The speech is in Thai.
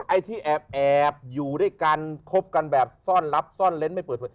ไอ้ที่แอบอยู่ด้วยกันคบกันแบบซ่อนลับซ่อนเล้นไม่เปิดเผย